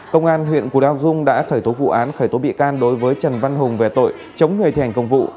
công an huyện cù lao dung đã khởi tố vụ án khởi tố bị can đối với trần văn hùng về tội chống người thi hành công vụ